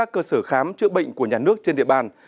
của nhà nước trên địa bàn